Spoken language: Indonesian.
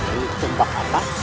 ini tembak apa